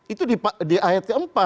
itu di ayat empat